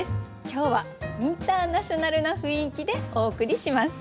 今日はインターナショナルな雰囲気でお送りします。